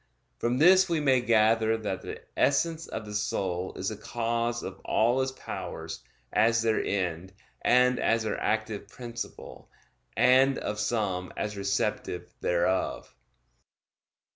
From this we may gather that the essence of the soul is the cause of all its powers, as their end, and as their active principle; and of some as receptive thereof.